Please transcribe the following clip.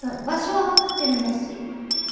場所は分かってるんだし。